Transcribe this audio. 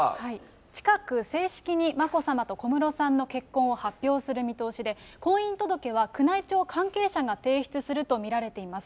近く正式に眞子さまと小室さんの結婚を発表する見通しで、婚姻届は宮内庁関係者が提出すると見られています。